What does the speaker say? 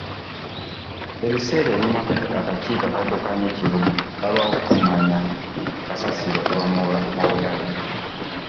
Ebiseera ebimu akakiiko akaddukanya ekibuga kalwawo okukungaanya kasasiro okuva mu butale.